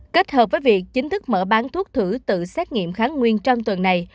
kết hợp với việc chính thức mở bán thuốc thử tự xét nghiệm kháng nguyên trong tuần này